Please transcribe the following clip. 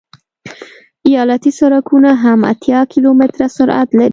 ایالتي سرکونه هم اتیا کیلومتره سرعت لري